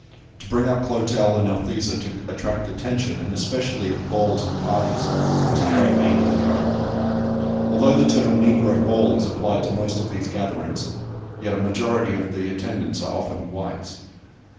To bring up Clotel and Althesa to attract attention, and especially at balls and parties, was the great aim of Currer. Although the term "Negro ball" is applied to most of these gatherings, yet a majority of the attendants are often whites.